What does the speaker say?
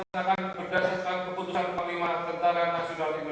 lalu kebangsaan indonesia baik